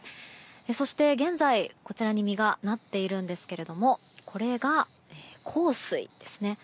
そして現在、こちらに実がなっているんですけどもこれが幸水ですね。